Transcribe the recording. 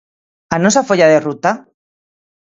¿A nosa folla de ruta?